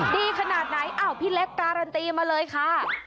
ดีขนาดไหนอ้าวพี่เล็กการันตีมาเลยค่ะ